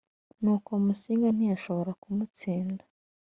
nuko musinga ntiyashobora kumutsinda